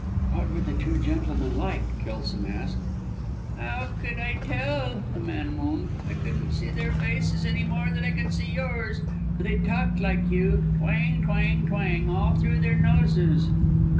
'" "What were the two gentlemen like?" Kelson asked. "How could I tell?" the man moaned. "I couldn't see their faces any more than I can see yours but they talked like you. Twang twang twang all through their noses."